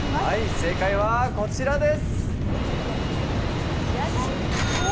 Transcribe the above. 正解はこちらです。